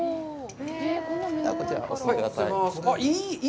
こちらお進みください。